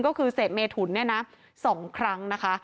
ก็คือเสพเมถุนเนี่ยนะ๒ครั้งนะคะ